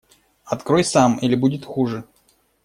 Открой сам, или будет хуже!